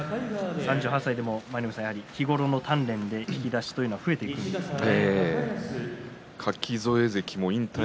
３８歳でも日頃の鍛錬で引き出しは増えていくんですね。